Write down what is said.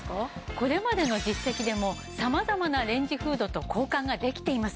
これまでの実績でも様々なレンジフードと交換ができています。